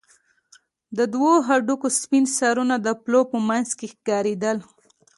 د دوو هډوکو سپين سرونه د پلو په منځ کښې ښکارېدل.